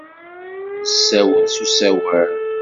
Nessawel s usawal.